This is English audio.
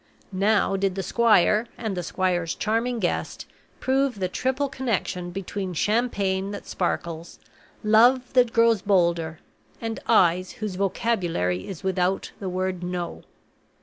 Now did the squire, and the squire's charming guest, prove the triple connection between Champagne that sparkles, Love that grows bolder, and Eyes whose vocabulary is without the word No.